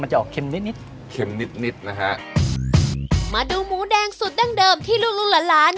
จะออกเค็มนิดนิดเค็มนิดนิดนะฮะมาดูหมูแดงสูตรดั้งเดิมที่ลูกลูกหลานหลาน